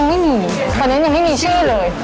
ไม่มีตอนนั้นยังไม่มีชื่อเลย